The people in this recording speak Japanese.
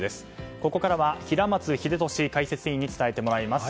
ここからは平松秀敏解説員に伝えてもらいます。